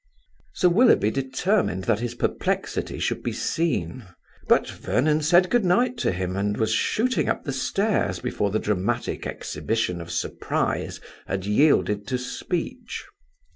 Sir Willoughby determined that his perplexity should be seen; but Vernon said good night to him, and was shooting up the stairs before the dramatic exhibition of surprise had yielded to speech.